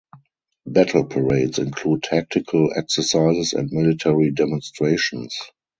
Battle parades include tactical exercises and military demonstrations.